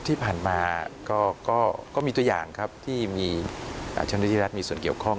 ที่ผ่านมาก็มีตัวอย่างครับที่มีเจ้าหน้าที่รัฐมีส่วนเกี่ยวข้อง